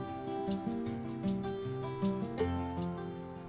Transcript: perpustakaan medayu agung milikoy hemi